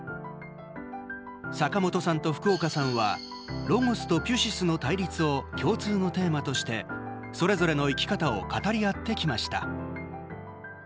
坂本さんと福岡さんはロゴスとピュシスの対立を共通のテーマとしてそれぞれの生き方を語り合ってきました。